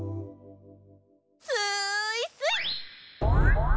スイスイ！